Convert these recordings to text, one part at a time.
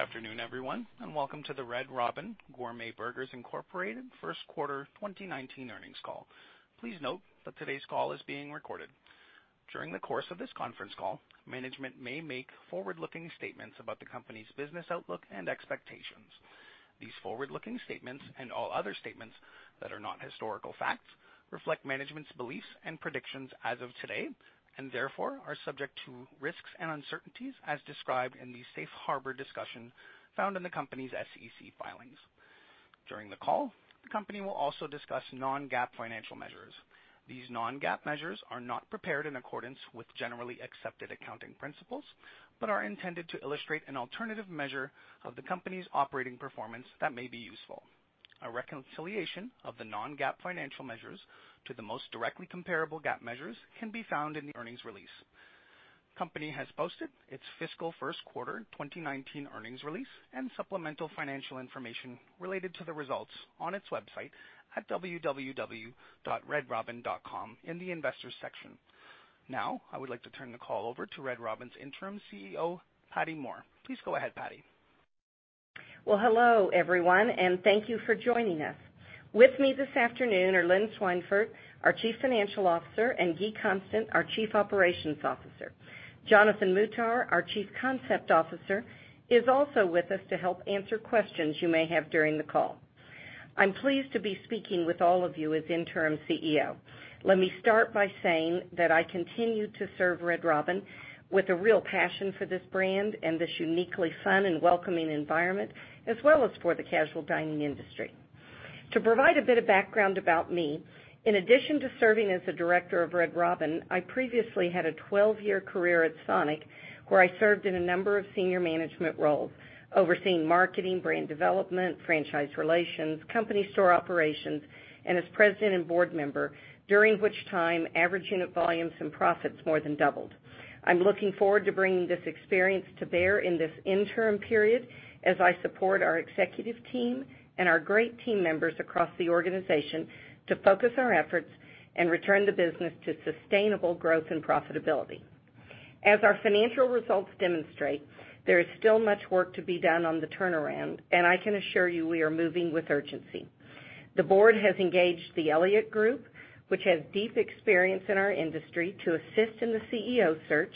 Good afternoon, everyone. Welcome to the Red Robin Gourmet Burgers, Inc. First Quarter 2019 earnings call. Please note that today's call is being recorded. During the course of this conference call, management may make forward-looking statements about the company's business outlook and expectations. These forward-looking statements, all other statements that are not historical facts, reflect management's beliefs and predictions as of today, and therefore are subject to risks and uncertainties as described in the safe harbor discussion found in the company's SEC filings. During the call, the company will also discuss non-GAAP financial measures. These non-GAAP measures are not prepared in accordance with generally accepted accounting principles but are intended to illustrate an alternative measure of the company's operating performance that may be useful. A reconciliation of the non-GAAP financial measures to the most directly comparable GAAP measures can be found in the earnings release. company has posted its fiscal first quarter 2019 earnings release and supplemental financial information related to the results on its website at www.redrobin.com in the Investors section. I would like to turn the call over to Red Robin's interim CEO, Pattye Moore. Please go ahead, Pattye. Hello, everyone. Thank you for joining us. With me this afternoon are Lynn Schweinfurth, our Chief Financial Officer, and Guy Constant, our Chief Operations Officer. Jonathan Muhtar, our Chief Concept Officer, is also with us to help answer questions you may have during the call. I'm pleased to be speaking with all of you as Interim CEO. Let me start by saying that I continue to serve Red Robin with a real passion for this brand and this uniquely fun and welcoming environment, as well as for the casual dining industry. To provide a bit of background about me, in addition to serving as a director of Red Robin, I previously had a 12-year career at Sonic, where I served in a number of senior management roles overseeing marketing, brand development, franchise relations, company store operations, and as president and board member, during which time average unit volumes and profits more than doubled. I'm looking forward to bringing this experience to bear in this interim period as I support our executive team and our great team members across the organization to focus our efforts and return the business to sustainable growth and profitability. As our financial results demonstrate, there is still much work to be done on the turnaround. I can assure you we are moving with urgency. The board has engaged The Elliott Group, which has these experience in our industry to assist the CEO search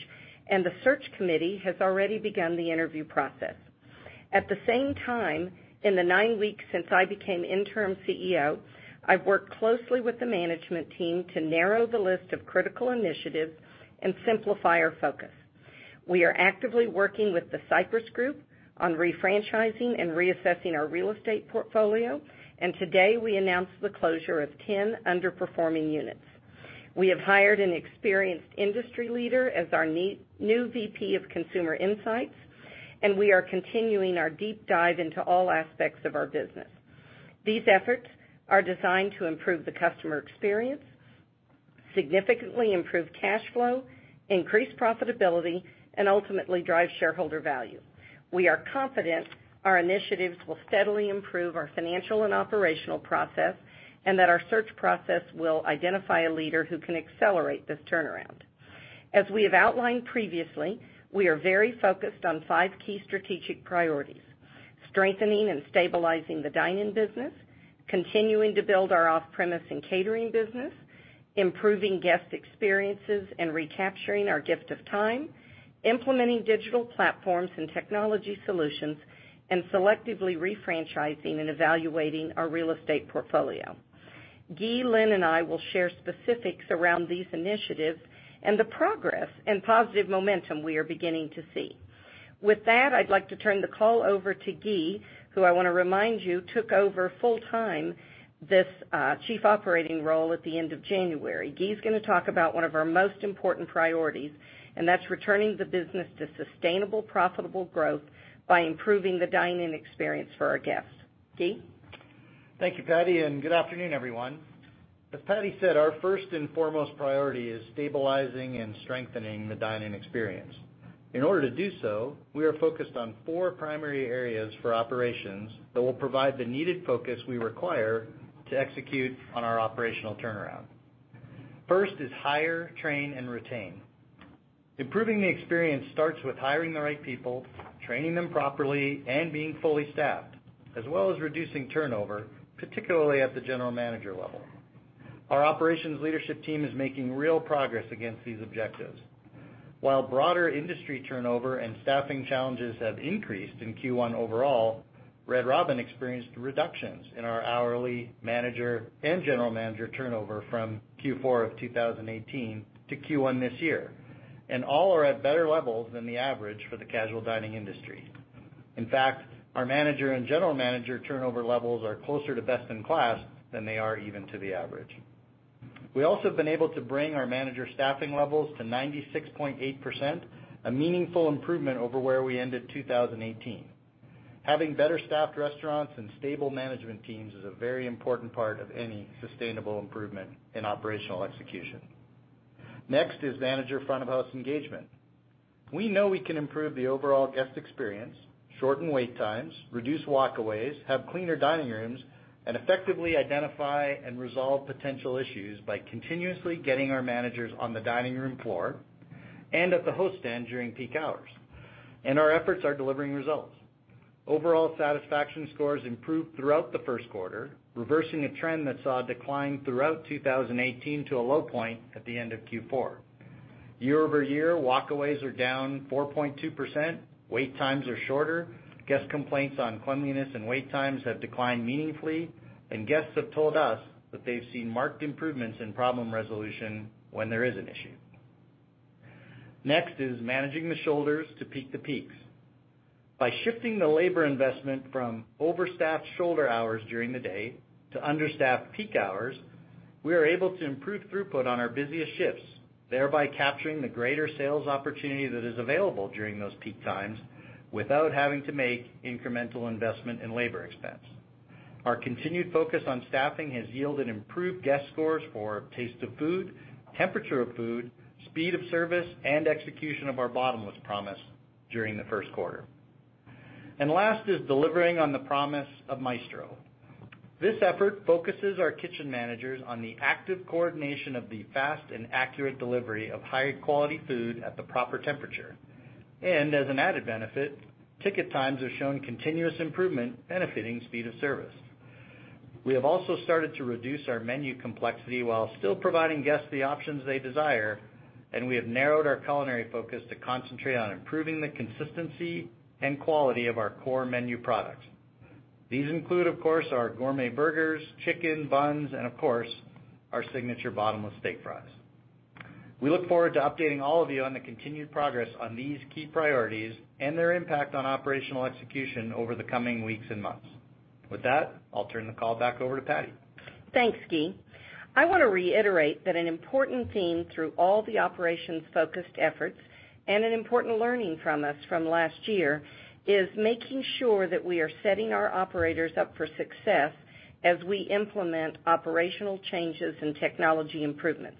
and the search committee has already begun the interview process. At the same time in the nine weeks since I became intern CEO, I work closely with the management team to narrow the list of critical initiative and simplify our focus. We are actively working with the cypress group on refranchising and re-assessing our real estate portfolio and today we announce our closure of 10 underperforming units. We have hired an experience industry leader as our new VP of Consumer Insights, and we are continuing are deep dive into all aspects of our business. These efforts are design to improve the customer experience, significantly improve cash flow, increase profitability and ultimately drive shareholder value. We are confident our initiatives will steadily improve our financial and operational process. That our search process will identify a leader who can accelerate this turnaround. As we have outlined previously, we are very focused on five key strategic priorities: strengthening and stabilizing the dine-in business, continuing to build our off-premise and catering business, improving guest experiences and recapturing our gift of time, implementing digital platforms and technology solutions, and selectively refranchising and evaluating our real estate portfolio. Guy, Lynn, and I will share specifics around these initiatives and the progress and positive momentum we are beginning to see. With that, I'd like to turn the call over to Guy, who I want to remind you took over full-time this Chief Operating role at the end of January. Guy's going to talk about one of our most important priorities. That's returning the business to sustainable, profitable growth by improving the dine-in experience for our guests. Guy? Thank you, Pattye. Good afternoon, everyone. As Pattye said, our first and foremost priority is stabilizing and strengthening the dine-in experience. In order to do so, we are focused on four primary areas for operations that will provide the needed focus we require to execute on our operational turnaround. First is hire, train, and retain. Improving the experience starts with hiring the right people, training them properly, being fully staffed, as well as reducing turnover, particularly at the general manager level. Our operations leadership team is making real progress against these objectives. While broader industry turnover and staffing challenges have increased in Q1 overall, Red Robin experienced reductions in our hourly manager and general manager turnover from Q4 of 2018 to Q1 this year. All are at better levels than the average for the casual dining industry. In fact, our manager and general manager turnover levels are closer to best in class than they are even to the average. We also have been able to bring our manager staffing levels to 96.8%, a meaningful improvement over where we ended 2018. Having better-staffed restaurants and stable management teams is a very important part of any sustainable improvement in operational execution. Next is manager front-of-house engagement. We know we can improve the overall guest experience, shorten wait times, reduce walkaways, have cleaner dining rooms, and effectively identify and resolve potential issues by continuously getting our managers on the dining room floor and at the host stand during peak hours. Our efforts are delivering results. Overall satisfaction scores improved throughout the first quarter, reversing a trend that saw a decline throughout 2018 to a low point at the end of Q4. Year-over-year, walkaways are down 4.2%, wait times are shorter, guest complaints on cleanliness and wait times have declined meaningfully, and guests have told us that they've seen marked improvements in problem resolution when there is an issue. Next is managing the shoulders to peak the peaks. By shifting the labor investment from overstaffed shoulder hours during the day to understaffed peak hours, we are able to improve throughput on our busiest shifts, thereby capturing the greater sales opportunity that is available during those peak times without having to make incremental investment in labor expense. Our continued focus on staffing has yielded improved guest scores for taste of food, temperature of food, speed of service, and execution of our bottomless promise during the first quarter. Last is delivering on the promise of Maestro. This effort focuses our kitchen managers on the active coordination of the fast and accurate delivery of high-quality food at the proper temperature. As an added benefit, ticket times have shown continuous improvement benefiting speed of service. We have also started to reduce our menu complexity while still providing guests the options they desire, and we have narrowed our culinary focus to concentrate on improving the consistency and quality of our core menu products. These include, of course, our gourmet burgers, chicken, buns, and of course, our signature Bottomless Steak Fries. We look forward to updating all of you on the continued progress on these key priorities and their impact on operational execution over the coming weeks and months. With that, I'll turn the call back over to Pattye. Thanks, Guy. I want to reiterate that an important theme through all the operations-focused efforts and an important learning from us from last year is making sure that we are setting our operators up for success as we implement operational changes and technology improvements.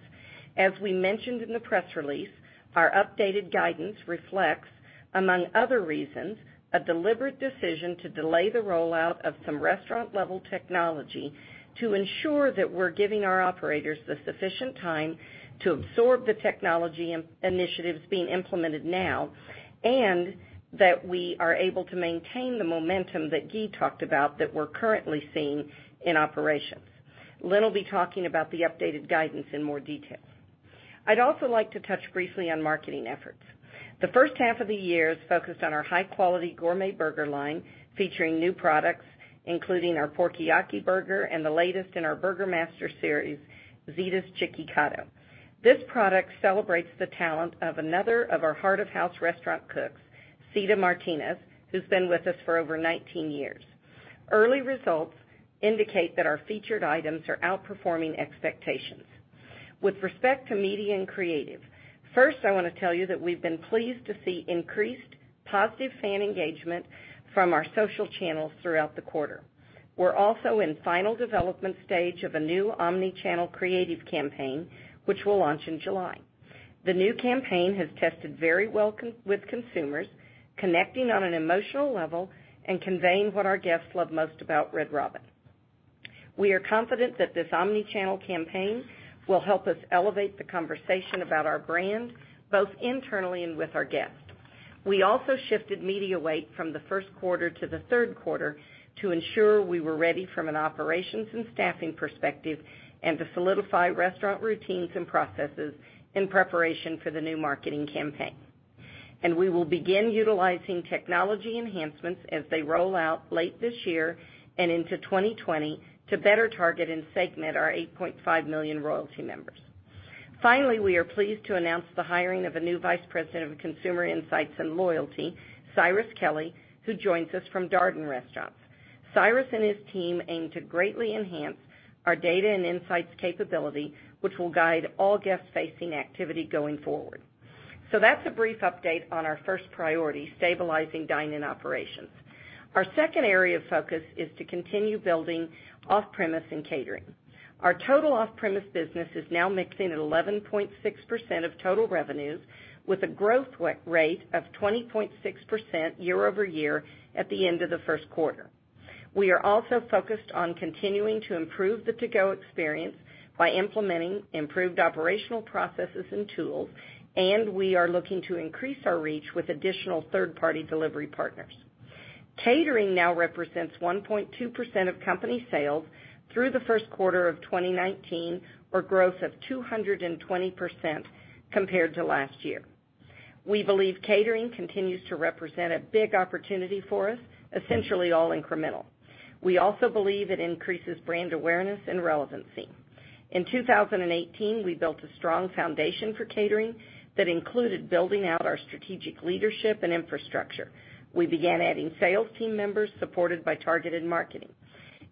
As we mentioned in the press release, our updated guidance reflects, among other reasons, a deliberate decision to delay the rollout of some restaurant-level technology to ensure that we're giving our operators the sufficient time to absorb the technology initiatives being implemented now, and that we are able to maintain the momentum that Guy talked about that we're currently seeing in operations. Lynn will be talking about the updated guidance in more detail. I'd also like to touch briefly on marketing efforts. The first half of the year is focused on our high-quality gourmet burger line, featuring new products including our Porkiyaki Burger and the latest in our Burger Master Series, Zita Cado. This product celebrates the talent of another of our heart of house restaurant cooks, Zita Martinez, who's been with us for over 19 years. Early results indicate that our featured items are outperforming expectations. With respect to media and creative, first, I want to tell you that we've been pleased to see increased positive fan engagement from our social channels throughout the quarter. We are also in final development stage of a new omni-channel creative campaign, which will launch in July. The new campaign has tested very well with consumers, connecting on an emotional level and conveying what our guests love most about Red Robin. We are confident that this omni-channel campaign will help us elevate the conversation about our brand, both internally and with our guests. We also shifted media weight from the first quarter to the third quarter to ensure we were ready from an operations and staffing perspective, and to solidify restaurant routines and processes in preparation for the new marketing campaign. We will begin utilizing technology enhancements as they roll out late this year and into 2020 to better target and segment our 8.5 million Royalty members. Finally, we are pleased to announce the hiring of a new vice president of consumer insights and loyalty, Cyrus Kelley, who joins us from Darden Restaurants. Cyrus and his team aim to greatly enhance our data and insights capability, which will guide all guest-facing activity going forward. That's a brief update on our first priority, stabilizing dine-in operations. Our second area of focus is to continue building off-premise and catering. Our total off-premise business is now mixing at 11.6% of total revenues, with a growth rate of 20.6% year-over-year at the end of the first quarter. We are also focused on continuing to improve the to-go experience by implementing improved operational processes and tools, and we are looking to increase our reach with additional third-party delivery partners. Catering now represents 1.2% of company sales through the first quarter of 2019, or growth of 220% compared to last year. We believe catering continues to represent a big opportunity for us, essentially all incremental. We also believe it increases brand awareness and relevancy. In 2018, we built a strong foundation for catering that included building out our strategic leadership and infrastructure. We began adding sales team members supported by targeted marketing.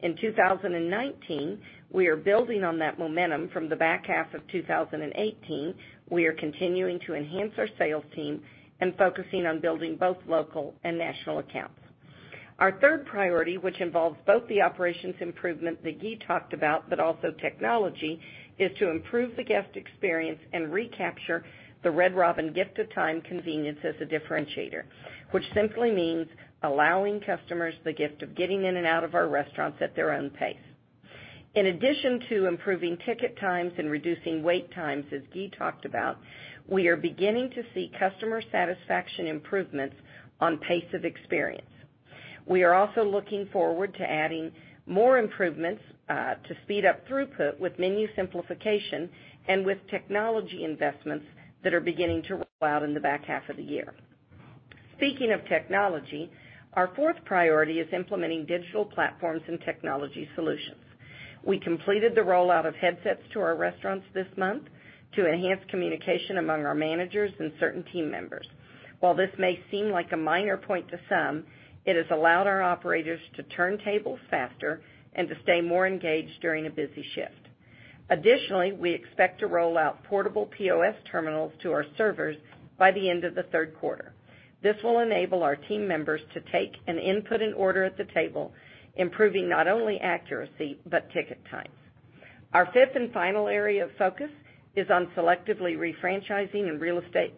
In 2019, we are building on that momentum from the back half of 2018. We are continuing to enhance our sales team and focusing on building both local and national accounts. Our third priority, which involves both the operations improvement that Guy talked about, but also technology, is to improve the guest experience and recapture the Red Robin gift of time convenience as a differentiator, which simply means allowing customers the gift of getting in and out of our restaurants at their own pace. In addition to improving ticket times and reducing wait times, as Guy talked about, we are beginning to see customer satisfaction improvements on pace of experience. We are also looking forward to adding more improvements to speed up throughput with menu simplification and with technology investments that are beginning to roll out in the back half of the year. Speaking of technology, our fourth priority is implementing digital platforms and technology solutions. We completed the rollout of headsets to our restaurants this month to enhance communication among our managers and certain team members. While this may seem like a minor point to some, it has allowed our operators to turn tables faster and to stay more engaged during a busy shift. Additionally, we expect to roll out portable POS terminals to our servers by the end of the third quarter. This will enable our team members to take and input an order at the table, improving not only accuracy, but ticket time. Our fifth and final area of focus is on selectively refranchising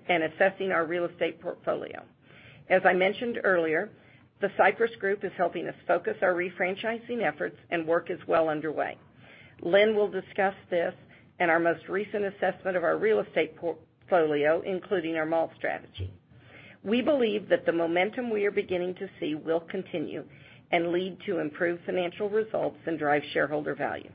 and assessing our real estate portfolio. As I mentioned earlier, The Cypress Group is helping us focus our refranchising efforts, and work is well underway. Lynn will discuss this in our most recent assessment of our real estate portfolio, including our mall strategy. We believe that the momentum we are beginning to see will continue and lead to improved financial results and drive shareholder value.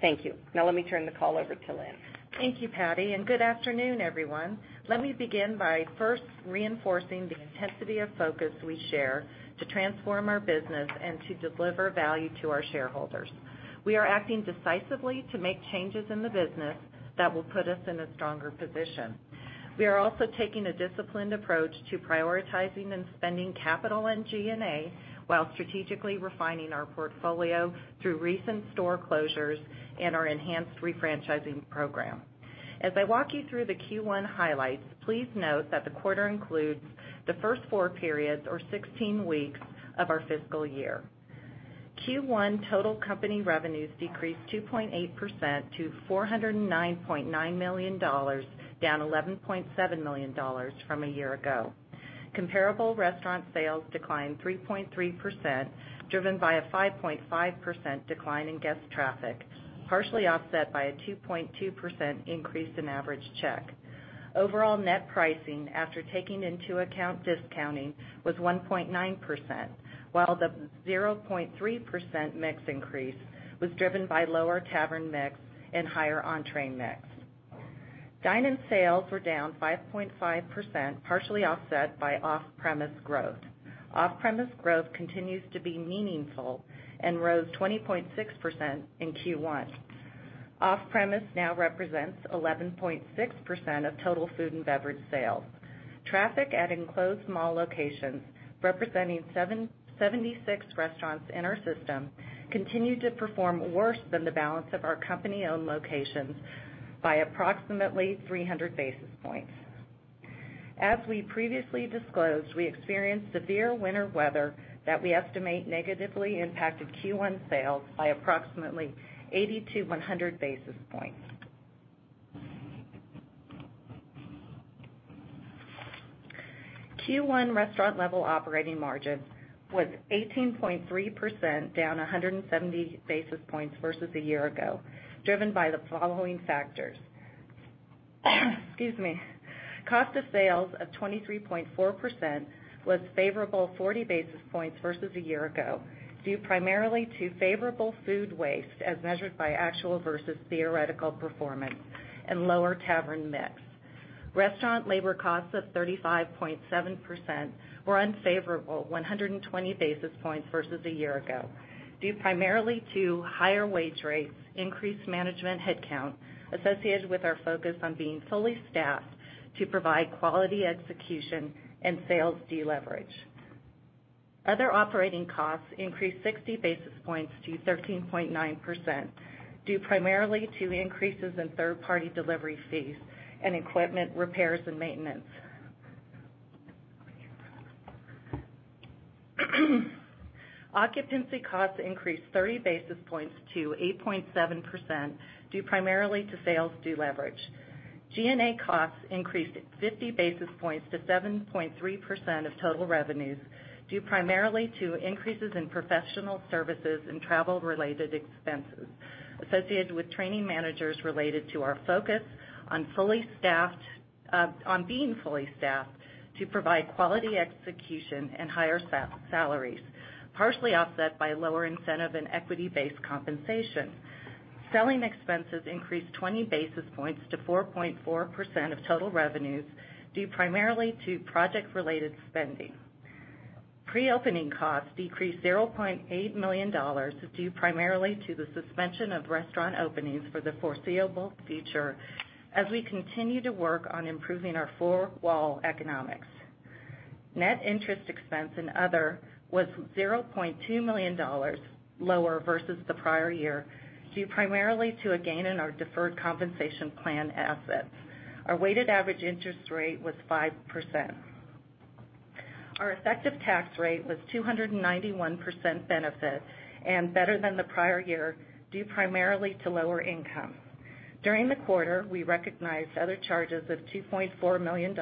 Thank you. Now let me turn the call over to Lynn. Thank you, Patty, and good afternoon, everyone. Let me begin by first reinforcing the intensity of focus we share to transform our business and to deliver value to our shareholders. We are acting decisively to make changes in the business that will put us in a stronger position. We are also taking a disciplined approach to prioritizing and spending capital and G&A while strategically refining our portfolio through recent store closures and our enhanced refranchising program. As I walk you through the Q1 highlights, please note that the quarter includes the first four periods or 16 weeks of our fiscal year. Q1 total company revenues decreased 2.8% to $409.9 million, down $11.7 million from a year ago. Comparable restaurant sales declined 3.3%, driven by a 5.5% decline in guest traffic, partially offset by a 2.2% increase in average check. Overall net pricing, after taking into account discounting, was 1.9%, while the 0.3% mix increase was driven by lower tavern mix and higher entree mix. Dine-in sales were down 5.5%, partially offset by off-premise growth. Off-premise growth continues to be meaningful and rose 20.6% in Q1. Off-premise now represents 11.6% of total food and beverage sales. Traffic at enclosed mall locations, representing 76 restaurants in our system, continued to perform worse than the balance of our company-owned locations by approximately 300 basis points. As we previously disclosed, we experienced severe winter weather that we estimate negatively impacted Q1 sales by approximately 80 to 100 basis points. Q1 restaurant level operating margin was 18.3% down 170 basis points versus a year ago, driven by the following factors. Excuse me. Cost of sales of 23.4% was favorable 40 basis points versus a year ago, due primarily to favorable food waste as measured by actual versus theoretical performance and lower Tavern mix. Restaurant labor costs of 35.7% were unfavorable 120 basis points versus a year ago, due primarily to higher wage rates, increased management headcount associated with our focus on being fully staffed to provide quality execution and sales deleverage. Other operating costs increased 60 basis points to 13.9%, due primarily to increases in third-party delivery fees and equipment repairs and maintenance. Occupancy costs increased 30 basis points to 8.7%, due primarily to sales deleverage. G&A costs increased at 50 basis points to 7.3% of total revenues, due primarily to increases in professional services and travel-related expenses associated with training managers related to our focus on being fully staffed to provide quality execution and higher salaries, partially offset by lower incentive and equity-based compensation. Selling expenses increased 20 basis points to 4.4% of total revenues, due primarily to project-related spending. Pre-opening costs decreased $0.8 million due primarily to the suspension of restaurant openings for the foreseeable future as we continue to work on improving our four-wall economics. Net interest expense and other was $0.2 million lower versus the prior year, due primarily to a gain in our deferred compensation plan assets. Our weighted average interest rate was 5%. Our effective tax rate was 291% benefit and better than the prior year, due primarily to lower income. During the quarter, we recognized other charges of $2.4 million,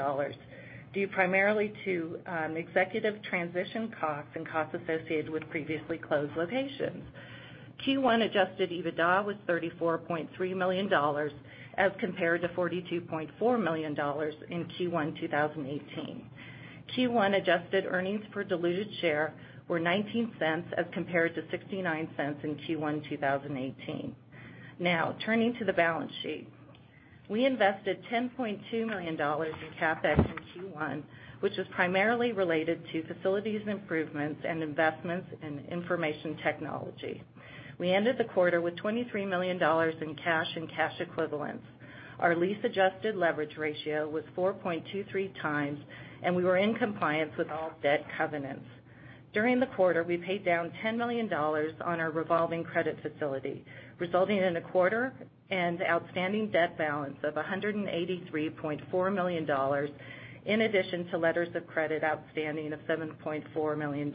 due primarily to executive transition costs and costs associated with previously closed locations. Q1 adjusted EBITDA was $34.3 million as compared to $42.4 million in Q1 2018. Q1 adjusted earnings per diluted share were $0.19 as compared to $0.69 in Q1 2018. Now, turning to the balance sheet. We invested $10.2 million in CapEx in Q1, which was primarily related to facilities improvements and investments in information technology. We ended the quarter with $23 million in cash and cash equivalents. Our lease-adjusted leverage ratio was 4.23 times, and we were in compliance with all debt covenants. During the quarter, we paid down $10 million on our revolving credit facility, resulting in a quarter-end outstanding debt balance of $183.4 million, in addition to letters of credit outstanding of $7.4 million.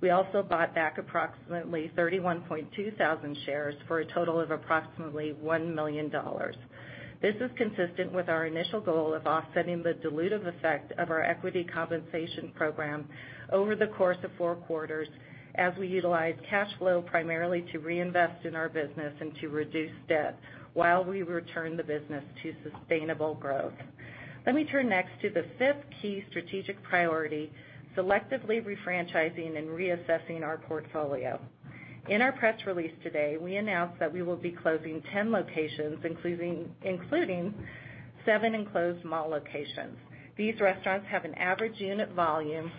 We also bought back approximately 31.2 thousand shares for a total of approximately $1 million. This is consistent with our initial goal of offsetting the dilutive effect of our equity compensation program over the course of four quarters, as we utilize cash flow primarily to reinvest in our business and to reduce debt while we return the business to sustainable growth. Let me turn next to the fifth key strategic priority, selectively refranchising and reassessing our portfolio. In our press release today, we announced that we will be closing 10 locations, including seven enclosed mall locations. These restaurants have an average unit volume,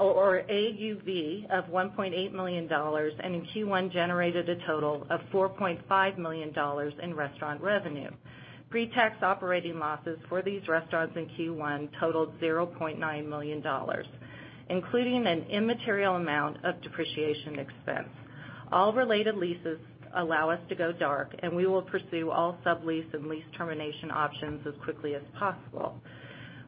or AUV, of $1.8 million, and in Q1 generated a total of $4.5 million in restaurant revenue. Pre-tax operating losses for these restaurants in Q1 totaled $0.9 million, including an immaterial amount of depreciation expense. All related leases allow us to go dark, and we will pursue all sublease and lease termination options as quickly as possible.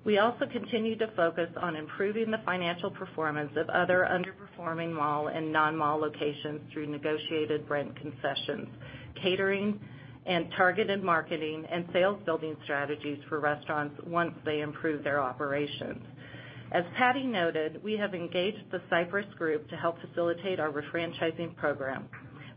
We also continue to focus on improving the financial performance of other underperforming mall and non-mall locations through negotiated rent concessions, catering and targeted marketing, and sales-building strategies for restaurants once they improve their operations. As Pattye noted, we have engaged The Cypress Group to help facilitate our refranchising program.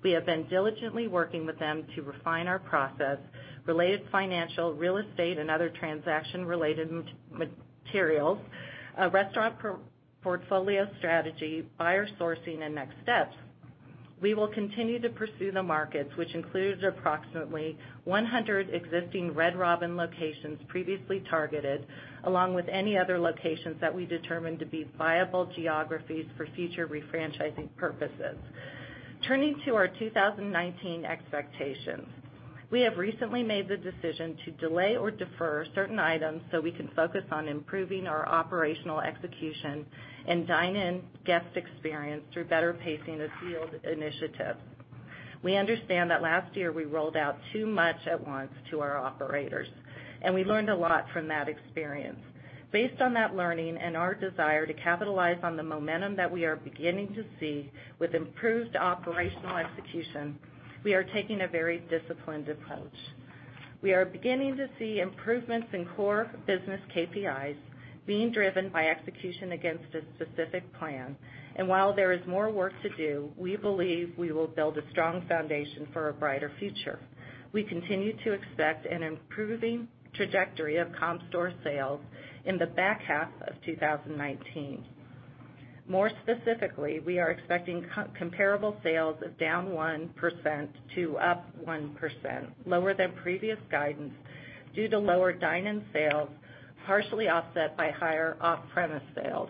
We have been diligently working with them to refine our process, related financial, real estate, and other transaction-related materials, a restaurant portfolio strategy, buyer sourcing, and next steps. We will continue to pursue the markets, which includes approximately 100 existing Red Robin locations previously targeted, along with any other locations that we determine to be viable geographies for future refranchising purposes. Turning to our 2019 expectations. We have recently made the decision to delay or defer certain items so we can focus on improving our operational execution and dine-in guest experience through better pacing of field initiatives. We understand that last year, we rolled out too much at once to our operators, and we learned a lot from that experience. Based on that learning and our desire to capitalize on the momentum that we are beginning to see with improved operational execution, we are taking a very disciplined approach. We are beginning to see improvements in core business KPIs being driven by execution against a specific plan. While there is more work to do, we believe we will build a strong foundation for a brighter future. We continue to expect an improving trajectory of comp store sales in the back half of 2019. More specifically, we are expecting comparable sales of -1% to +1%, lower than previous guidance due to lower dine-in sales, partially offset by higher off-premise sales.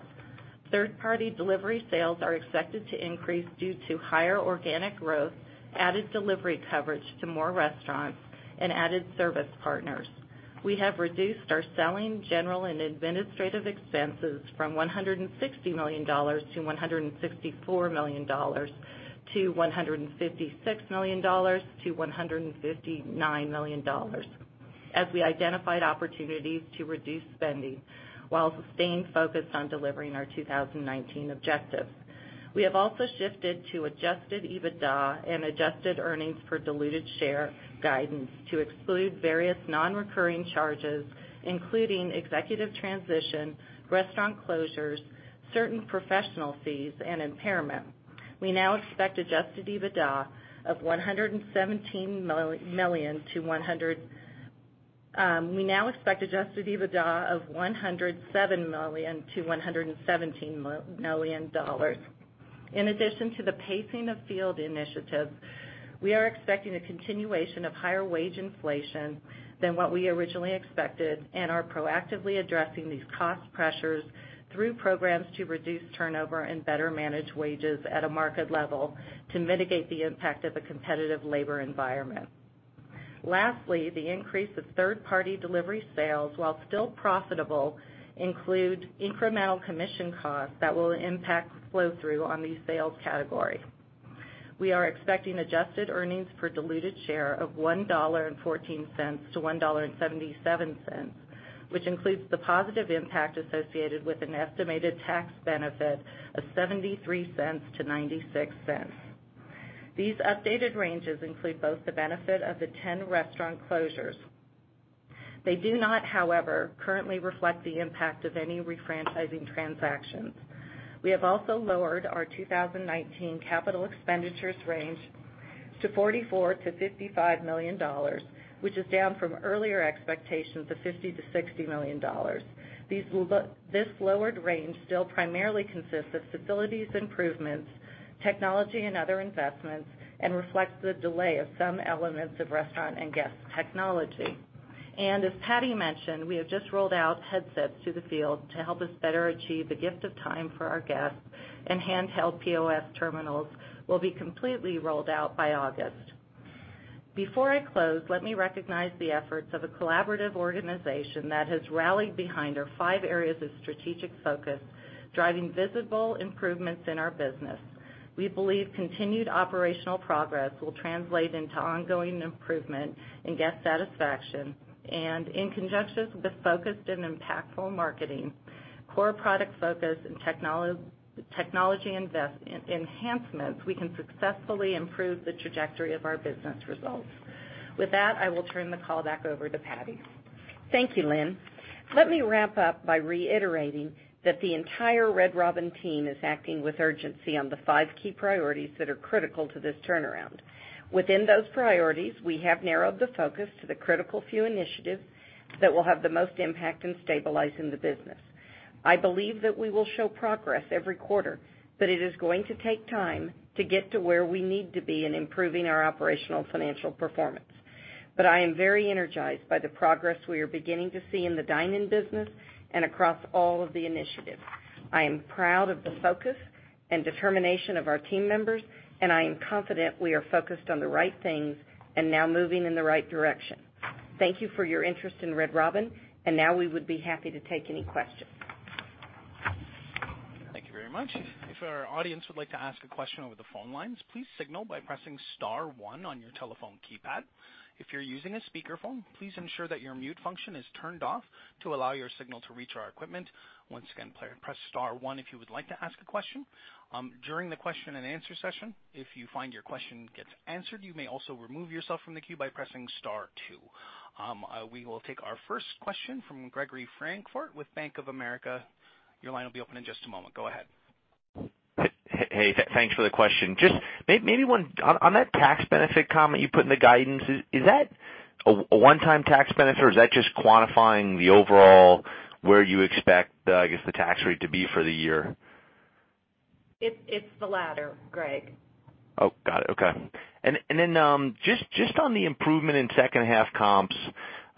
Third-party delivery sales are expected to increase due to higher organic growth, added delivery coverage to more restaurants, and added service partners. We have reduced our selling, general, and administrative expenses from $160 million-$164 million to $156 million-$159 million as we identified opportunities to reduce spending while staying focused on delivering our 2019 objectives. We have also shifted to adjusted EBITDA and adjusted earnings per diluted share guidance to exclude various non-recurring charges, including executive transition, restaurant closures, certain professional fees, and impairment. We now expect adjusted EBITDA of $107 million-$117 million. In addition to the pacing of field initiatives, we are expecting a continuation of higher wage inflation than what we originally expected and are proactively addressing these cost pressures through programs to reduce turnover and better manage wages at a market level to mitigate the impact of a competitive labor environment. Lastly, the increase of third-party delivery sales, while still profitable, include incremental commission costs that will impact flow-through on the sales category. We are expecting adjusted earnings per diluted share of $1.14-$1.77, which includes the positive impact associated with an estimated tax benefit of $0.73-$0.96. These updated ranges include both the benefit of the 10 restaurant closures. They do not, however, currently reflect the impact of any refranchising transactions. We have also lowered our 2019 capital expenditures range to $44 million-$55 million, which is down from earlier expectations of $50 million-$60 million. This lowered range still primarily consists of facilities improvements, technology and other investments, and reflects the delay of some elements of restaurant and guest technology. As Pattye mentioned, we have just rolled out headsets to the field to help us better achieve the gift of time for our guests, and handheld POS terminals will be completely rolled out by August. Before I close, let me recognize the efforts of a collaborative organization that has rallied behind our five areas of strategic focus, driving visible improvements in our business. We believe continued operational progress will translate into ongoing improvement in guest satisfaction. In conjunction with the focused and impactful marketing, core product focus, and technology enhancements, we can successfully improve the trajectory of our business results. With that, I will turn the call back over to Pattye. Thank you, Lynn. Let me wrap up by reiterating that the entire Red Robin team is acting with urgency on the five key priorities that are critical to this turnaround. Within those priorities, we have narrowed the focus to the critical few initiatives that will have the most impact in stabilizing the business. I believe that we will show progress every quarter, but it is going to take time to get to where we need to be in improving our operational financial performance. I am very energized by the progress we are beginning to see in the dine-in business and across all of the initiatives. I am proud of the focus and determination of our team members, and I am confident we are focused on the right things and now moving in the right direction. Thank you for your interest in Red Robin, now we would be happy to take any questions. Thank you very much. If our audience would like to ask a question over the phone lines, please signal by pressing star one on your telephone keypad. If you're using a speakerphone, please ensure that your mute function is turned off to allow your signal to reach our equipment. Once again, press star one if you would like to ask a question. During the question and answer session, if you find your question gets answered, you may also remove yourself from the queue by pressing star two. We will take our first question from Gregory Francfort with Bank of America. Your line will be open in just a moment. Go ahead. Hey, thanks for the question. Just maybe one, on that tax benefit comment you put in the guidance, is that a one-time tax benefit, or is that just quantifying the overall where you expect, I guess, the tax rate to be for the year? It's the latter, Greg. Oh, got it. Okay. Just on the improvement in second half comps,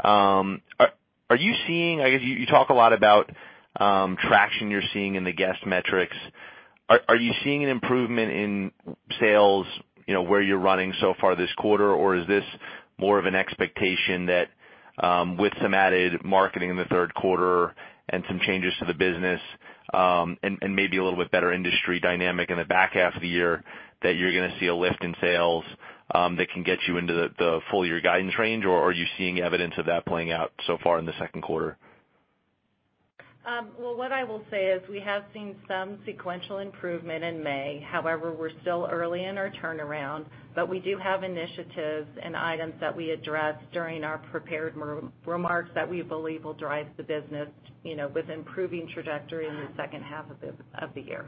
are you seeing, I guess you talk a lot about traction you're seeing in the guest metrics. Are you seeing an improvement in sales where you're running so far this quarter? Is this more of an expectation that with some added marketing in the third quarter and some changes to the business and maybe a little bit better industry dynamic in the back half of the year, that you're going to see a lift in sales that can get you into the full-year guidance range, or are you seeing evidence of that playing out so far in the second quarter? Well, what I will say is we have seen some sequential improvement in May. We're still early in our turnaround, but we do have initiatives and items that we addressed during our prepared remarks that we believe will drive the business with improving trajectory in the second half of the year.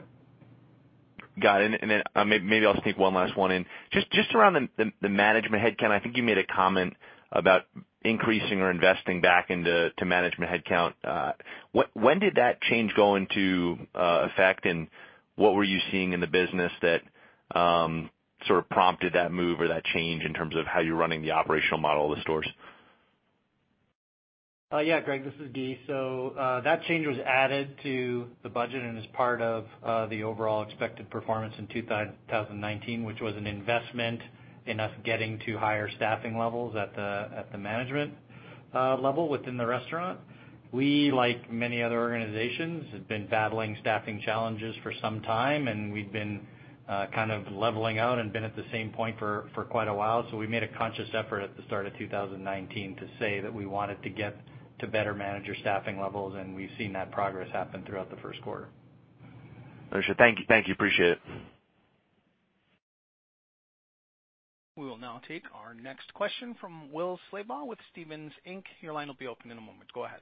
Got it. Then maybe I'll sneak one last one in. Just around the management headcount, I think you made a comment about increasing or investing back into management headcount. When did that change go into effect, and what were you seeing in the business that sort of prompted that move or that change in terms of how you're running the operational model of the stores? Greg, this is Guy. That change was added to the budget and is part of the overall expected performance in 2019, which was an investment in us getting to higher staffing levels at the management level within the restaurant. We, like many other organizations, have been battling staffing challenges for some time, and we've been kind of leveling out and been at the same point for quite a while. We made a conscious effort at the start of 2019 to say that we wanted to get to better manager staffing levels, and we've seen that progress happen throughout the first quarter. Thank you. Appreciate it. We will now take our next question from Will Slabaugh with Stephens Inc. Your line will be open in a moment. Go ahead.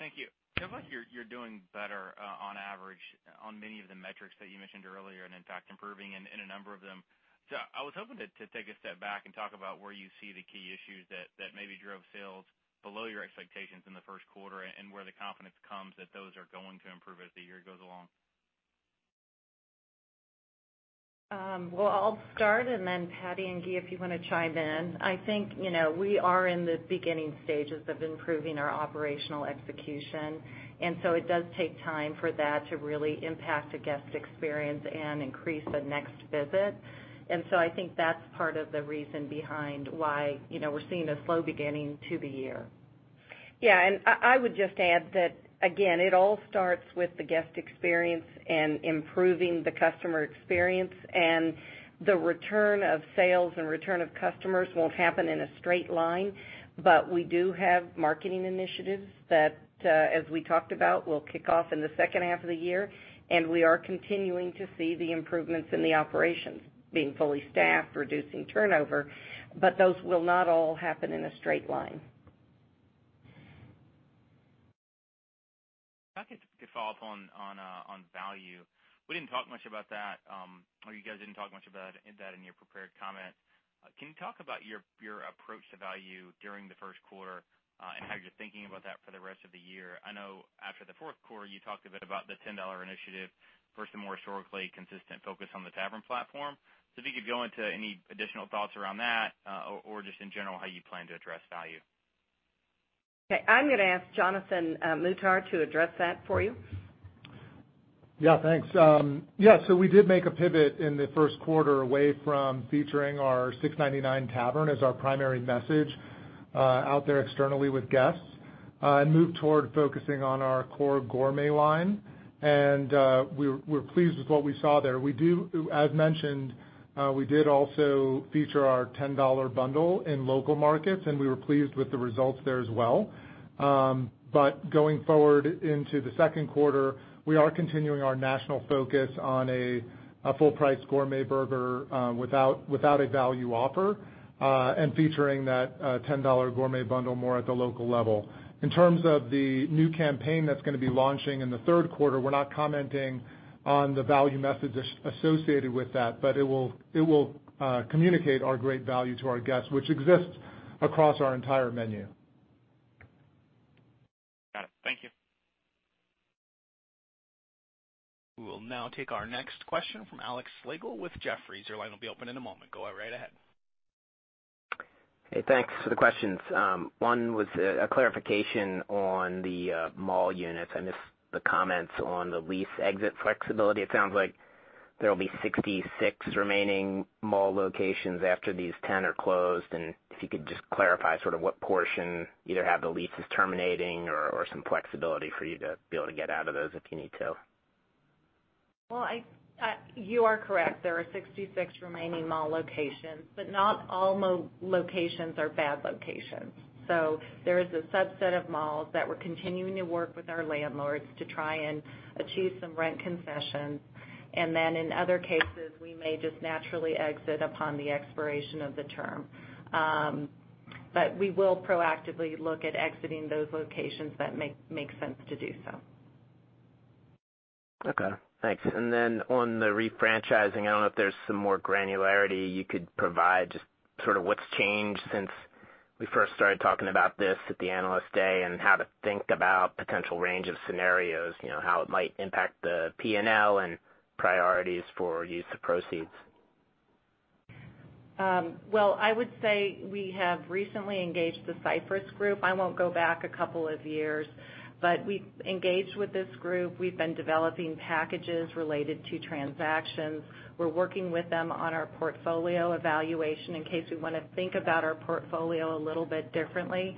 Thank you. It sounds like you're doing better on average on many of the metrics that you mentioned earlier and in fact improving in a number of them. I was hoping to take a step back and talk about where you see the key issues that maybe drove sales below your expectations in the first quarter and where the confidence comes that those are going to improve as the year goes along. Well, I'll start and then Pattye and G, if you want to chime in. I think we are in the beginning stages of improving our operational execution, it does take time for that to really impact a guest experience and increase a next visit. I think that's part of the reason behind why we're seeing a slow beginning to the year. I would just add that, again, it all starts with the guest experience and improving the customer experience, the return of sales and return of customers won't happen in a straight line. We do have marketing initiatives that, as we talked about, will kick off in the second half of the year, and we are continuing to see the improvements in the operations, being fully staffed, reducing turnover, those will not all happen in a straight line. If I could follow up on value. We didn't talk much about that, or you guys didn't talk much about that in your prepared comment. Can you talk about your approach to value during the first quarter and how you're thinking about that for the rest of the year? I know after the fourth quarter, you talked a bit about the $10 initiative versus the more historically consistent focus on the Tavern platform. If you could go into any additional thoughts around that, or just in general, how you plan to address value. I'm going to ask Jonathan Muhtar to address that for you. Thanks. We did make a pivot in the first quarter away from featuring our $6.99 Tavern as our primary message out there externally with guests, and moved toward focusing on our core gourmet line. We're pleased with what we saw there. As mentioned, we did also feature our $10 bundle in local markets, and we were pleased with the results there as well. Going forward into the second quarter, we are continuing our national focus on a full-priced gourmet burger without a value offer, and featuring that $10 gourmet bundle more at the local level. In terms of the new campaign that's going to be launching in the third quarter, we're not commenting on the value message associated with that, but it will communicate our great value to our guests, which exists across our entire menu. Got it. Thank you. We will now take our next question from Alex Slagle with Jefferies. Your line will be open in a moment. Go right ahead. Hey, thanks for the questions. One was a clarification on the mall units. I missed the comments on the lease exit flexibility. It sounds like there will be 66 remaining mall locations after these 10 are closed, and if you could just clarify what portion either have the leases terminating or some flexibility for you to be able to get out of those if you need to. You are correct. There are 66 remaining mall locations, not all mall locations are bad locations. There is a subset of malls that we're continuing to work with our landlords to try and achieve some rent concessions. In other cases, we may just naturally exit upon the expiration of the term. We will proactively look at exiting those locations that make sense to do so. Okay, thanks. On the refranchising, I don't know if there's some more granularity you could provide, just what's changed since we first started talking about this at the Analyst Day, how to think about potential range of scenarios, how it might impact the P&L and priorities for use of proceeds. I would say we have recently engaged The Cypress Group. I won't go back a couple of years, we've engaged with this group. We've been developing packages related to transactions. We're working with them on our portfolio evaluation in case we want to think about our portfolio a little bit differently.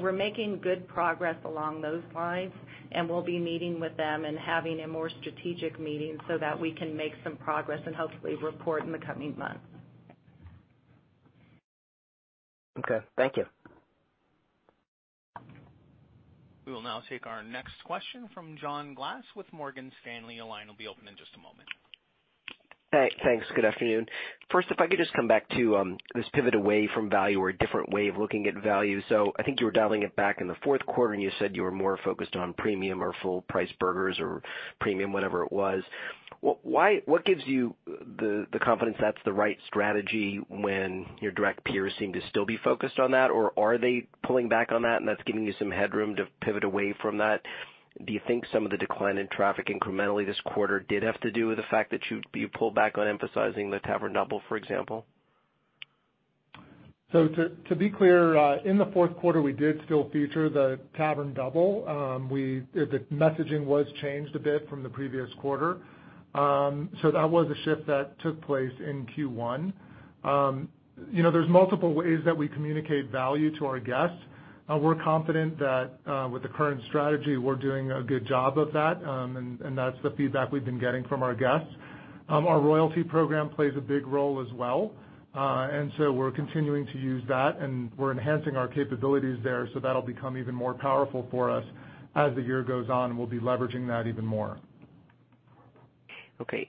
We're making good progress along those lines, we'll be meeting with them and having a more strategic meeting so that we can make some progress and hopefully report in the coming months. Okay. Thank you. We will now take our next question from John Glass with Morgan Stanley. Your line will be open in just a moment. Hey, thanks. Good afternoon. First, if I could just come back to this pivot away from value or a different way of looking at value. I think you were dialing it back in the fourth quarter, and you said you were more focused on premium or full-priced burgers or premium, whatever it was. What gives you the confidence that's the right strategy when your direct peers seem to still be focused on that? Or are they pulling back on that and that's giving you some headroom to pivot away from that? Do you think some of the decline in traffic incrementally this quarter did have to do with the fact that you pulled back on emphasizing the Tavern Double, for example? To be clear, in the fourth quarter, we did still feature the Tavern Double. The messaging was changed a bit from the previous quarter. That was a shift that took place in Q1. There's multiple ways that we communicate value to our guests. We're confident that with the current strategy, we're doing a good job of that, and that's the feedback we've been getting from our guests. Our Royalty program plays a big role as well, and so we're continuing to use that, and we're enhancing our capabilities there, so that'll become even more powerful for us as the year goes on, and we'll be leveraging that even more. Okay.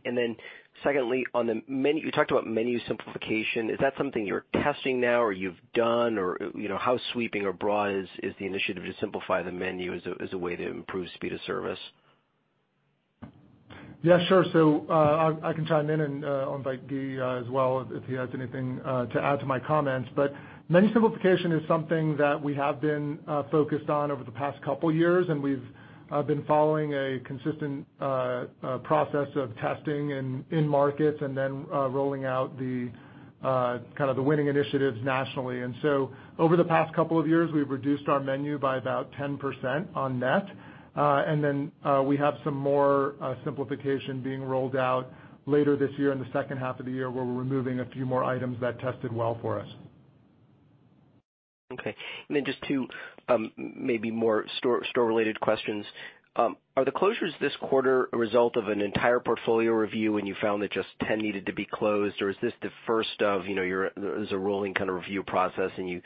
Secondly, you talked about menu simplification. Is that something you're testing now or you've done? Or how sweeping or broad is the initiative to simplify the menu as a way to improve speed of service? Yeah, sure. I can chime in and invite Guy as well if he has anything to add to my comments. Menu simplification is something that we have been focused on over the past couple years, and we've been following a consistent process of testing in markets and then rolling out the winning initiatives nationally. Over the past couple of years, we've reduced our menu by about 10% on net. We have some more simplification being rolled out later this year in the second half of the year where we're removing a few more items that tested well for us. Okay. Just two maybe more store-related questions. Are the closures this quarter a result of an entire portfolio review and you found that just 10 needed to be closed? Is this the first of a rolling kind of review process and you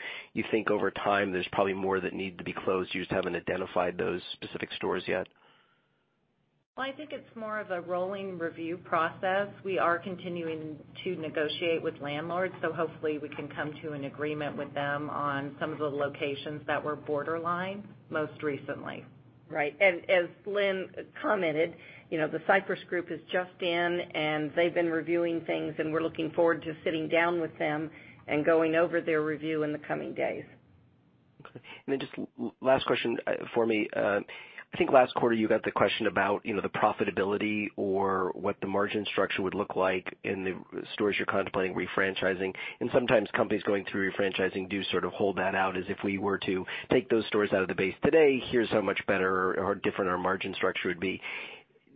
think over time there's probably more that need to be closed, you just haven't identified those specific stores yet? Well, I think it's more of a rolling review process. We are continuing to negotiate with landlords, so hopefully we can come to an agreement with them on some of the locations that were borderline most recently. Right. As Lynn commented, The Cypress Group is just in and they've been reviewing things, and we're looking forward to sitting down with them and going over their review in the coming days. Okay. Just last question for me. I think last quarter you got the question about the profitability or what the margin structure would look like in the stores you're contemplating refranchising. Sometimes companies going through refranchising do sort of hold that out as if we were to take those stores out of the base today, here's how much better or different our margin structure would be.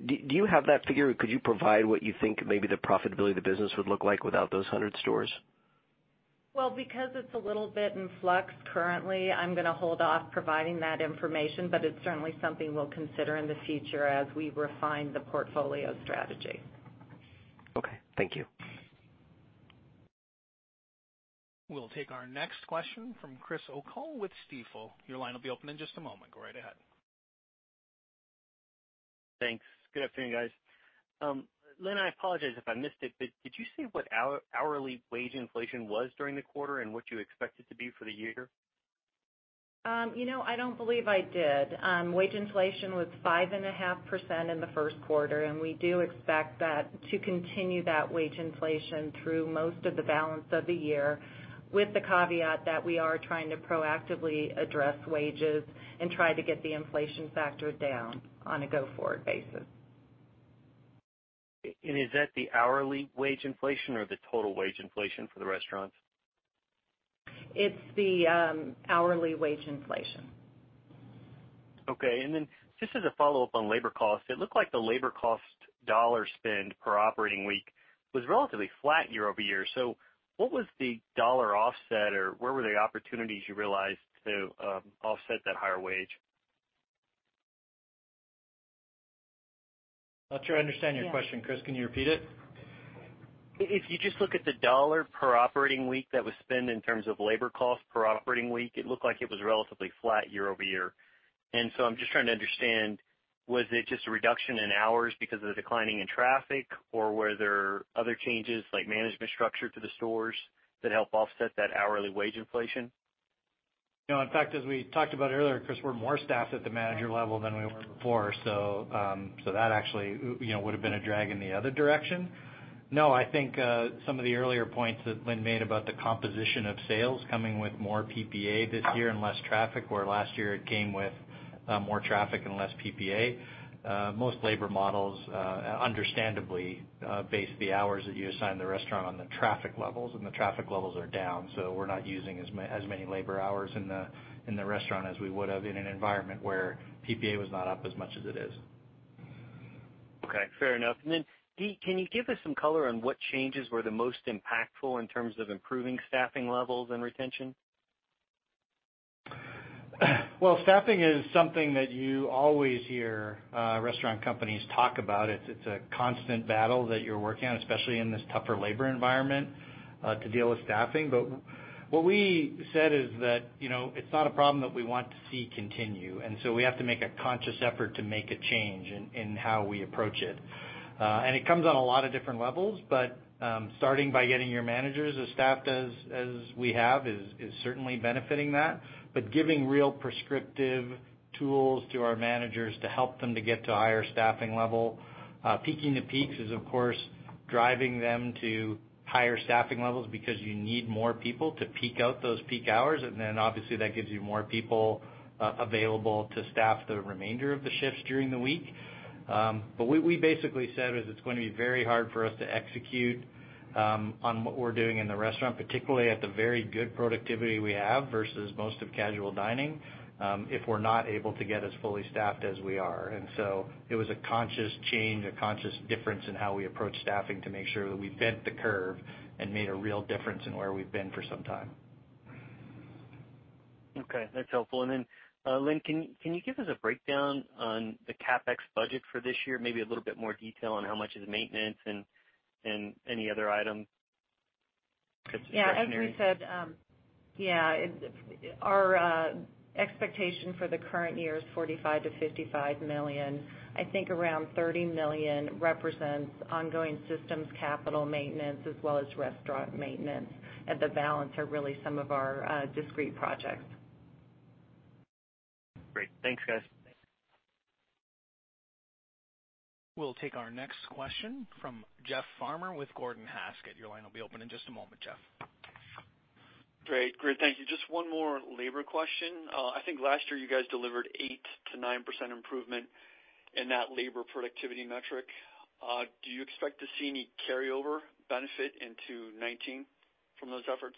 Do you have that figure? Could you provide what you think maybe the profitability of the business would look like without those 100 stores? Well, because it's a little bit in flux currently, I'm going to hold off providing that information. It's certainly something we'll consider in the future as we refine the portfolio strategy. Okay. Thank you. We'll take our next question from Chris O'Cull with Stifel. Your line will be open in just a moment. Go right ahead. Thanks. Good afternoon, guys. Lynn, I apologize if I missed it, but did you say what hourly wage inflation was during the quarter and what you expect it to be for the year? I don't believe I did. Wage inflation was 5.5% in the first quarter. We do expect that to continue that wage inflation through most of the balance of the year, with the caveat that we are trying to proactively address wages and try to get the inflation factor down on a go-forward basis. Is that the hourly wage inflation or the total wage inflation for the restaurants? It's the hourly wage inflation. Okay. Just as a follow-up on labor costs, it looked like the labor cost dollar spend per operating week was relatively flat year-over-year. What was the dollar offset or where were the opportunities you realized to offset that higher wage? Not sure I understand your question, Chris. Can you repeat it? If you just look at the dollar per operating week that was spent in terms of labor cost per operating week, it looked like it was relatively flat year-over-year. I'm just trying to understand, was it just a reduction in hours because of the declining in traffic, or were there other changes like management structure to the stores that help offset that hourly wage inflation? In fact, as we talked about earlier, Chris, we're more staffed at the manager level than we were before. That actually would've been a drag in the other direction. No, I think some of the earlier points that Lynn made about the composition of sales coming with more PPA this year and less traffic, where last year it came with more traffic and less PPA. Most labor models understandably base the hours that you assign the restaurant on the traffic levels, and the traffic levels are down. We're not using as many labor hours in the restaurant as we would've in an environment where PPA was not up as much as it is. Okay. Fair enough. Can you give us some color on what changes were the most impactful in terms of improving staffing levels and retention? Well, staffing is something that you always hear restaurant companies talk about. It's a constant battle that you're working on, especially in this tougher labor environment to deal with staffing. What we said is that it's not a problem that we want to see continue, we have to make a conscious effort to make a change in how we approach it. It comes on a lot of different levels, starting by getting your managers as staffed as we have is certainly benefiting that. Giving real prescriptive tools to our managers to help them to get to a higher staffing level. Peaking the peaks is, of course, driving them to higher staffing levels because you need more people to peak out those peak hours. Obviously that gives you more people available to staff the remainder of the shifts during the week. What we basically said is it's going to be very hard for us to execute on what we're doing in the restaurant, particularly at the very good productivity we have versus most of casual dining if we're not able to get as fully staffed as we are. It was a conscious change, a conscious difference in how we approach staffing to make sure that we bent the curve and made a real difference in where we've been for some time. Okay. That's helpful. Lynn, can you give us a breakdown on the CapEx budget for this year? Maybe a little bit more detail on how much is maintenance and any other item because it's discretionary. Yeah. As we said, our expectation for the current year is $45 million-$55 million. I think around $30 million represents ongoing systems capital maintenance, as well as restaurant maintenance, and the balance are really some of our discrete projects. Great. Thanks, guys. We'll take our next question from Jeff Farmer with Gordon Haskett. Your line will be open in just a moment, Jeff. Great. Thank you. Just one more labor question. I think last year you guys delivered 8%-9% improvement in that labor productivity metric. Do you expect to see any carryover benefit into 2019 from those efforts?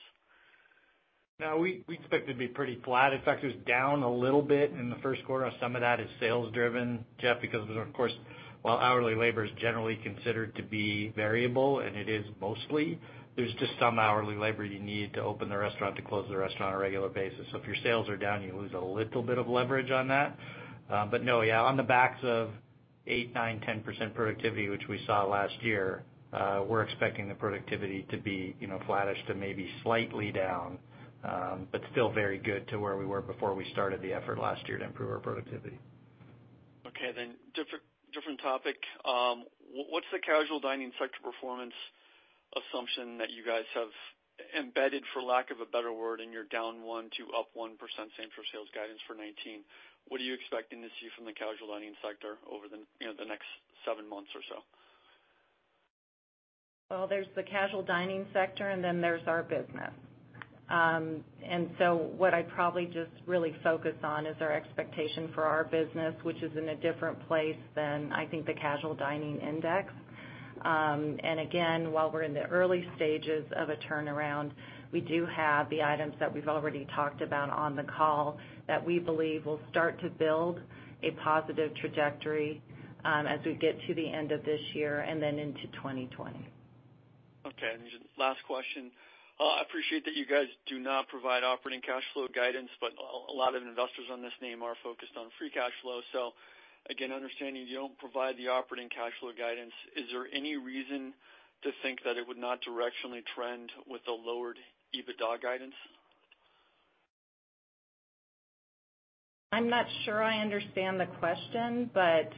No, we expect it to be pretty flat. In fact, it was down a little bit in the first quarter. Some of that is sales driven, Jeff, because, of course, while hourly labor is generally considered to be variable, and it is mostly, there's just some hourly labor you need to open the restaurant, to close the restaurant on a regular basis. If your sales are down, you lose a little bit of leverage on that. No, yeah, on the backs of 8%, 9%, 10% productivity, which we saw last year, we're expecting the productivity to be flattish to maybe slightly down. Still very good to where we were before we started the effort last year to improve our productivity. Okay, different topic. What's the casual dining sector performance assumption that you guys have embedded, for lack of a better word, in your -1% to +1% same-store sales guidance for 2019? What are you expecting to see from the casual dining sector over the next seven months or so? Well, there's the casual dining sector, and then there's our business. What I'd probably just really focus on is our expectation for our business, which is in a different place than, I think, the casual dining index. Again, while we're in the early stages of a turnaround, we do have the items that we've already talked about on the call that we believe will start to build a positive trajectory as we get to the end of this year and then into 2020. Okay, just last question. I appreciate that you guys do not provide operating cash flow guidance, a lot of investors on this name are focused on free cash flow. Again, understanding you don't provide the operating cash flow guidance, is there any reason to think that it would not directionally trend with the lowered EBITDA guidance? I'm not sure I understand the question, but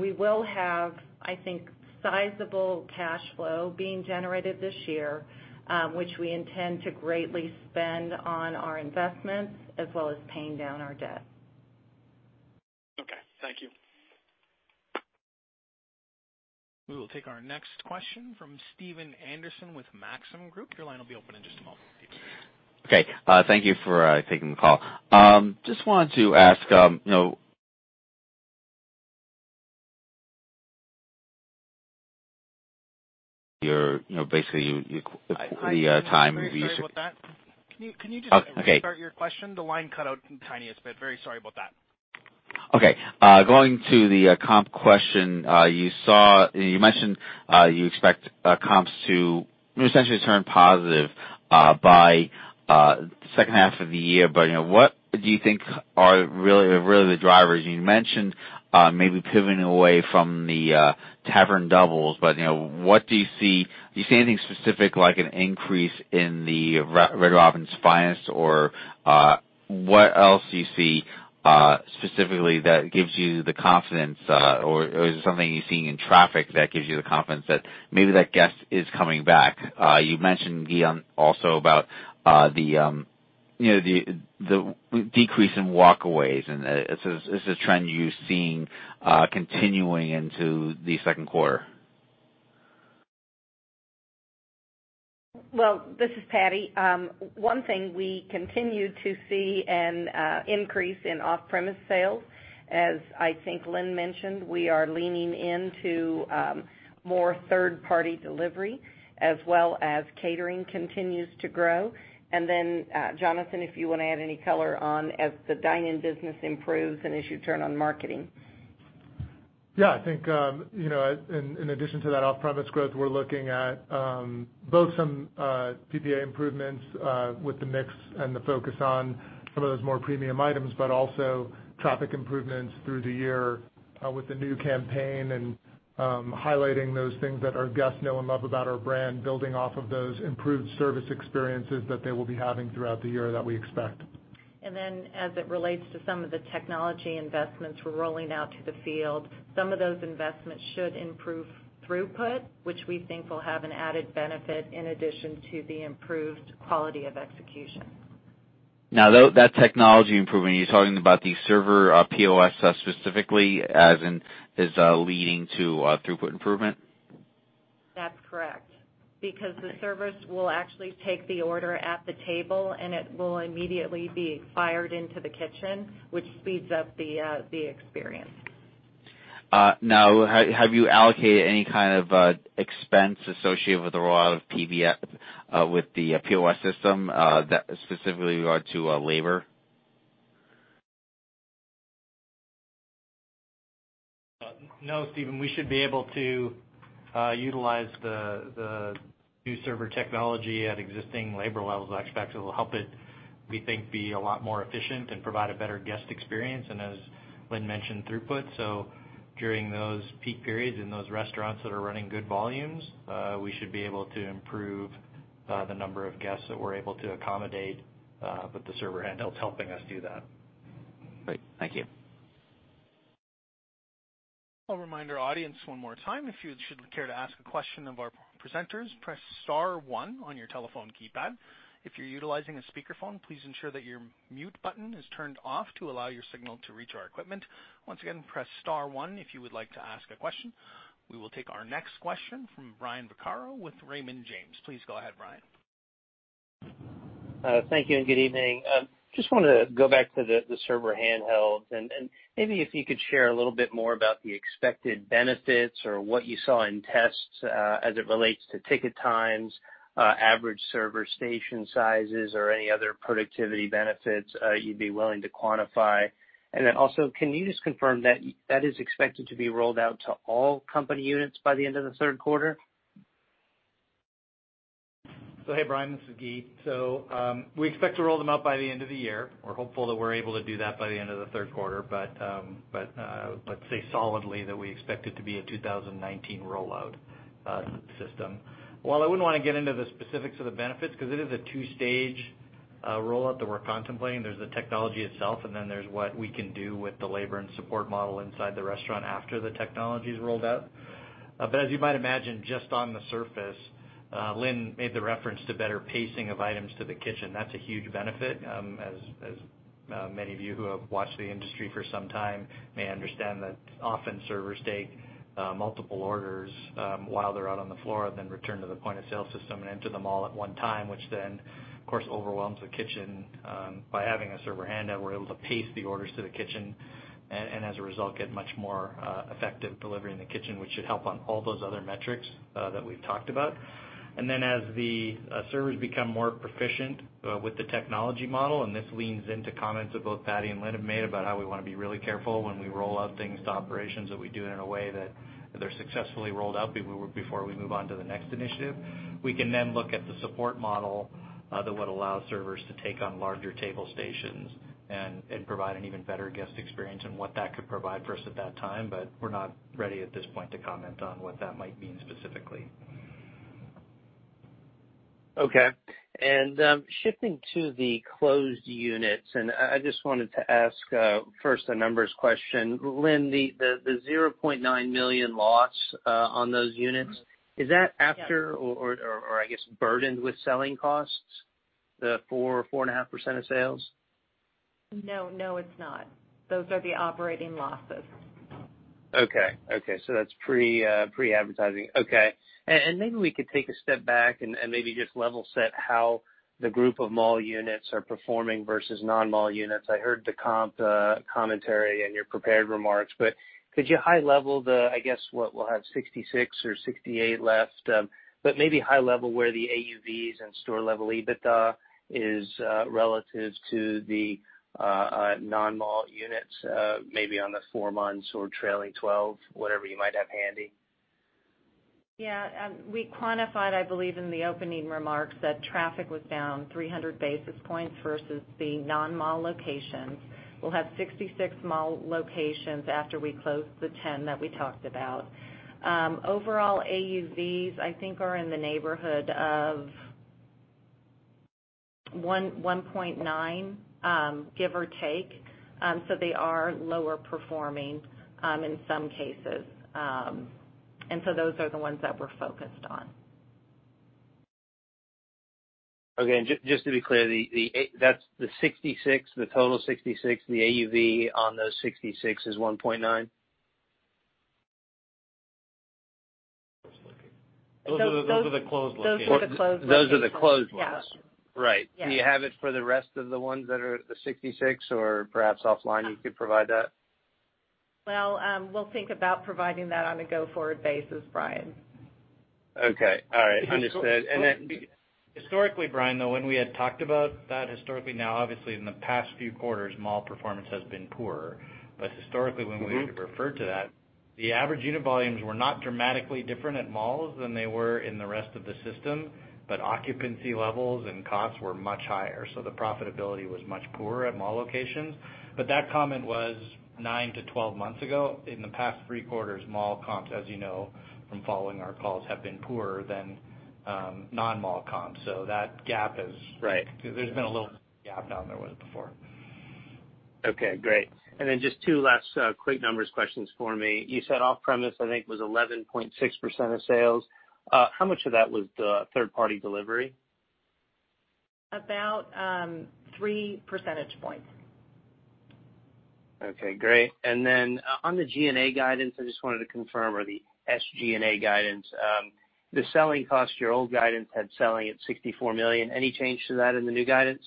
we will have, I think, sizable cash flow being generated this year, which we intend to greatly spend on our investments as well as paying down our debt. Okay, thank you. We will take our next question from Stephen Anderson with Maxim Group. Your line will be open in just a moment. Okay, thank you for taking the call. Just wanted to ask. I'm very sorry about that. Can you just restart your question? The line cut out the tiniest bit. Very sorry about that. Okay. Going to the comp question, you mentioned you expect comps to essentially turn positive by the second half of the year. What do you think are really the drivers? You mentioned maybe pivoting away from the Tavern Doubles. What do you see? Do you see anything specific, like an increase in the Red Robin's Finest, or what else do you see specifically that gives you the confidence? Is it something you're seeing in traffic that gives you the confidence that maybe that guest is coming back? You mentioned, Guy, also about the decrease in walkaways. Is this a trend you're seeing continuing into the second quarter? Well, this is Pattye. One thing we continue to see an increase in off-premise sales. As I think Lynn mentioned, we are leaning into more third-party delivery, as well as catering continues to grow. Jonathan, if you want to add any color on as the dine-in business improves and as you turn on marketing. Yeah, I think, in addition to that off-premise growth, we're looking at both some PPA improvements with the mix and the focus on some of those more premium items, also traffic improvements through the year with the new campaign and highlighting those things that our guests know and love about our brand, building off of those improved service experiences that they will be having throughout the year that we expect. As it relates to some of the technology investments we're rolling out to the field, some of those investments should improve throughput, which we think will have an added benefit in addition to the improved quality of execution. That technology improvement, are you talking about the server POS specifically as in is leading to throughput improvement? That's correct. The servers will actually take the order at the table, and it will immediately be fired into the kitchen, which speeds up the experience. Have you allocated any kind of expense associated with the roll-out of POS with the POS system, that specifically regard to labor? No, Stephen, we should be able to utilize the new server technology at existing labor levels. I expect it will help it, we think, be a lot more efficient and provide a better guest experience and as Lynn mentioned, throughput. During those peak periods in those restaurants that are running good volumes, we should be able to improve the number of guests that we're able to accommodate with the server handhelds helping us do that. Great. Thank you. I'll remind our audience one more time, if you should care to ask a question of our presenters, press star one on your telephone keypad. If you're utilizing a speakerphone, please ensure that your mute button is turned off to allow your signal to reach our equipment. Once again, press star one if you would like to ask a question. We will take our next question from Brian Vaccaro with Raymond James. Please go ahead, Brian. Thank you and good evening. Just wanted to go back to the server handhelds, maybe if you could share a little bit more about the expected benefits or what you saw in tests as it relates to ticket times, average server station sizes or any other productivity benefits you'd be willing to quantify. Also, can you just confirm that is expected to be rolled out to all company units by the end of the third quarter? Hey, Brian, this is Guy. We expect to roll them out by the end of the year. We're hopeful that we're able to do that by the end of the third quarter, but say solidly that we expect it to be a 2019 rollout system. While I wouldn't want to get into the specifics of the benefits because it is a two-stage rollout that we're contemplating. There's the technology itself, and then there's what we can do with the labor and support model inside the restaurant after the technology is rolled out. As you might imagine, just on the surface, Lynn made the reference to better pacing of items to the kitchen. That's a huge benefit, as many of you who have watched the industry for some time may understand that often servers take multiple orders while they're out on the floor, then return to the point of sale system and enter them all at one time, which then, of course, overwhelms the kitchen. By having a server handout, we're able to pace the orders to the kitchen, and as a result, get much more effective delivery in the kitchen, which should help on all those other metrics that we've talked about. As the servers become more proficient with the technology model, and this leans into comments that both Pattye and Lynn have made about how we want to be really careful when we roll out things to operations, that we do it in a way that they're successfully rolled out before we move on to the next initiative. We can then look at the support model that would allow servers to take on larger table stations and provide an even better guest experience and what that could provide for us at that time. We're not ready at this point to comment on what that might mean specifically. Okay. Shifting to the closed units, I just wanted to ask first a numbers question. Lynn, the $0.9 million loss on those units, is that after or I guess, burdened with selling costs, the 4% or 4.5% of sales? No, it's not. Those are the operating losses. Okay. That's pre-advertising. Okay. Maybe we could take a step back and maybe just level set how the group of mall units are performing versus non-mall units. I heard the commentary in your prepared remarks, but could you high level the, I guess what, we'll have 66 or 68 left, but maybe high level where the AUVs and store level EBITDA is relative to the non-mall units maybe on the 4 months or trailing 12, whatever you might have handy. Yeah. We quantified, I believe, in the opening remarks that traffic was down 300 basis points versus the non-mall locations. We'll have 66 mall locations after we close the 10 that we talked about. Overall AUVs, I think are in the neighborhood of $1.9, give or take. They are lower performing in some cases. Those are the ones that we're focused on. Okay. Just to be clear, that's the 66, the total 66, the AUV on those 66 is $1.9? Those are the closed locations. Those are the closed locations. Those are the closed ones. Yeah. Right. Yeah. Do you have it for the rest of the ones that are the 66 or perhaps offline you could provide that? Well, we'll think about providing that on a go-forward basis, Brian. Okay. All right. Understood. Historically, Brian, though, when we had talked about that historically, now obviously in the past three quarters, mall performance has been poor. Historically, when we would refer to that, the average unit volumes were not dramatically different at malls than they were in the rest of the system, but occupancy levels and costs were much higher. The profitability was much poorer at mall locations. That comment was 9-12 months ago. In the past three quarters, mall comps, as you know from following our calls, have been poorer than non-mall comps. Right there's been a little gap now than there was before. Okay, great. Then just two last quick numbers questions for me. You said off-premise, I think was 11.6% of sales. How much of that was third party delivery? About three percentage points. Okay, great. Then on the G&A guidance, I just wanted to confirm, or the SG&A guidance, the selling cost, your old guidance had selling at $64 million. Any change to that in the new guidance?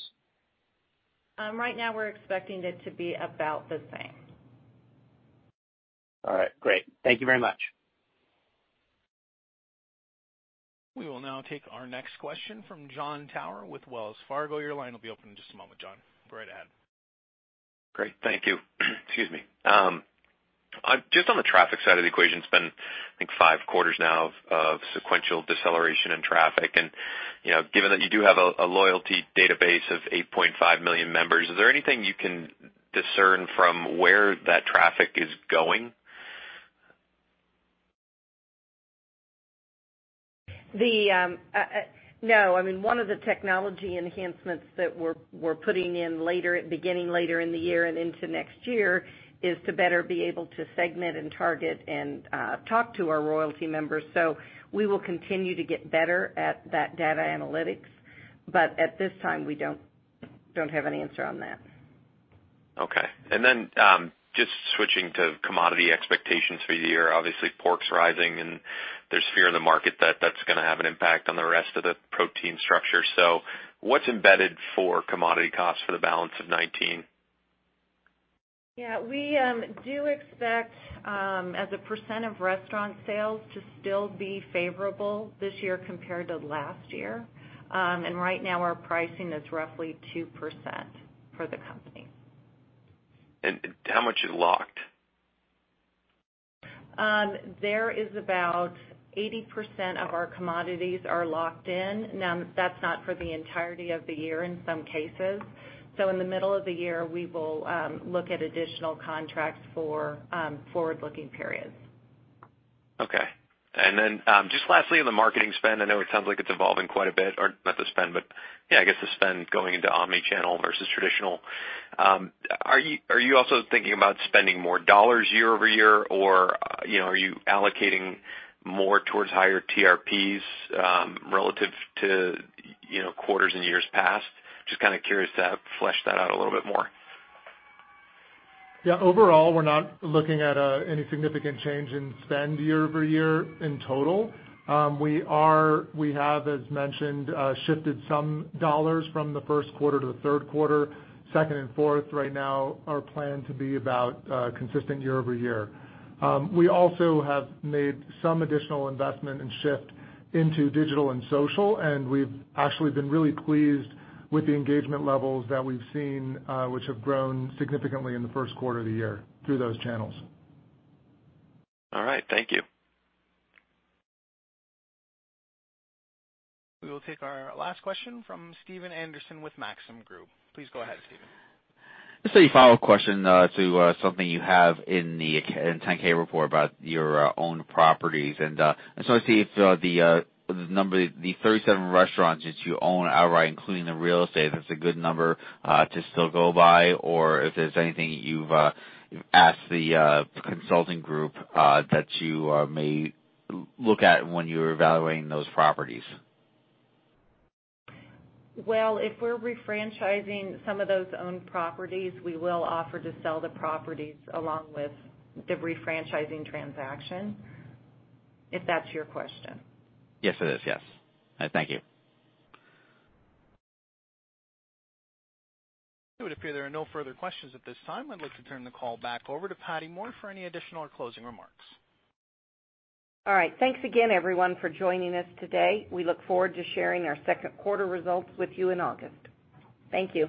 Right now we're expecting it to be about the same. All right, great. Thank you very much. We will now take our next question from Jon Tower with Wells Fargo. Your line will be open in just a moment, John. Go right ahead. Great. Thank you. Excuse me. Just on the traffic side of the equation, it's been, I think, five quarters now of sequential deceleration in traffic. Given that you do have a loyalty database of 8.5 million members, is there anything you can discern from where that traffic is going? No. I mean, one of the technology enhancements that we're putting in beginning later in the year and into next year is to better be able to segment and target and talk to our Royalty members. We will continue to get better at that data analytics. At this time, we don't have an answer on that. Okay. Just switching to commodity expectations for the year. Obviously, pork's rising, and there's fear in the market that that's going to have an impact on the rest of the protein structure. What's embedded for commodity costs for the balance of 2019? Yeah, we do expect as a % of restaurant sales to still be favorable this year compared to last year. Right now, our pricing is roughly 2% for the company. How much is locked? There is about 80% of our commodities are locked in. That's not for the entirety of the year in some cases. In the middle of the year, we will look at additional contracts for forward-looking periods. Just lastly, on the marketing spend, I know it sounds like it's evolving quite a bit, or not the spend, but I guess the spend going into omnichannel versus traditional. Are you also thinking about spending more dollars year-over-year, or are you allocating more towards higher TRPs relative to quarters and years past? Just kind of curious to flesh that out a little bit more. Yeah. Overall, we're not looking at any significant change in spend year-over-year in total. We have, as mentioned, shifted some dollars from the first quarter to the third quarter, second and fourth right now are planned to be about consistent year-over-year. We've actually been really pleased with the engagement levels that we've seen, which have grown significantly in the first quarter of the year through those channels. All right, thank you. We will take our last question from Stephen Anderson with Maxim Group. Please go ahead, Stephen. Just a follow-up question to something you have in the 10-K report about your owned properties. I just want to see if the 37 restaurants that you own outright, including the real estate, if that's a good number to still go by, or if there's anything that you've asked the consulting group that you may look at when you're evaluating those properties. Well, if we're refranchising some of those owned properties, we will offer to sell the properties along with the refranchising transaction, if that's your question. Yes, it is. Yes. Thank you. It would appear there are no further questions at this time. I'd like to turn the call back over to Pattye Moore for any additional or closing remarks. All right. Thanks again, everyone, for joining us today. We look forward to sharing our second quarter results with you in August. Thank you.